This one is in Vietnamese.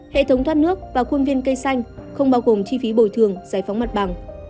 hệ thống thoát nước và khuôn viên cây xanh không bao gồm chi phí bồi thường giải phóng mặt bằng